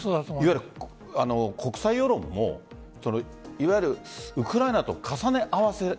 いわゆる国際世論もウクライナと重ね合わせ？